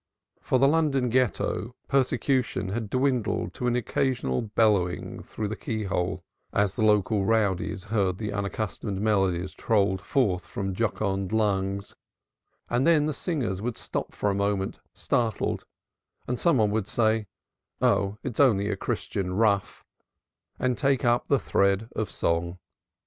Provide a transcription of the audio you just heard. For the London Ghetto persecution had dwindled to an occasional bellowing through the keyhole, as the local rowdies heard the unaccustomed melodies trolled forth from jocund lungs and then the singers would stop for a moment, startled, and some one would say: "Oh, it's only a Christian rough," and take up the thread of song.